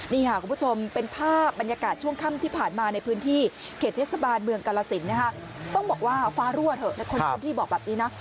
นี่ค่ะคุณผู้ชมเป็นภาพบรรยากาศช่วงค่ำที่ผ่านมาในพื้นที่เขตเทศบาลเมืองกาลสินนะคะต้องบอกว่าฟ้ารั่วเถอะแต่คนพื้นที่บอกแบบนี้นะ